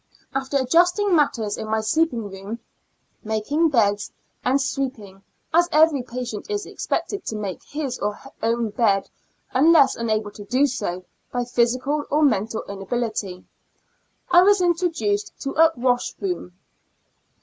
After adjusting matters in my sleeping room, making beds and sweeping — as every patient is expected to make his or her own bed, unless unable to do so by physical or mental inability — I was introduced to a wash room.